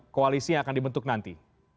koalisi yang akan dibentuk nanti